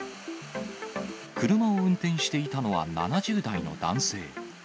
車を運転していたのは７０代の男性。